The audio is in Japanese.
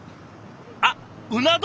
あっうな丼！